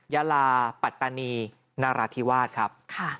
ยาลาปัตตานีนราธิวาสครับ